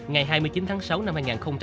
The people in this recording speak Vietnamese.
ngày hai mươi chín tháng sáu năm hai nghìn bốn